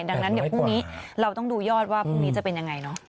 ดังนั้นพรุ่งนี้เราต้องดูยอดว่าพรุ่งนี้จะเป็นอย่างไร